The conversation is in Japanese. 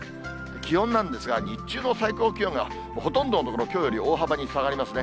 気温なんですが、日中の最高気温がほとんどの所、きょうより大幅に下がりますね。